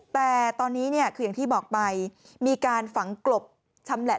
แต่ตอนนี้เนี่ยคืออย่างที่บอกไปมีการฝังกลบชำแหละ